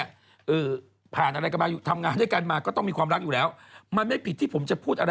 แองจีดูเขาบอกเขาตอบอย่างนี้พี่เจ้า